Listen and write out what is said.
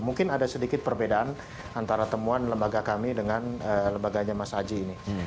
mungkin ada sedikit perbedaan antara temuan lembaga kami dengan lembaganya mas aji ini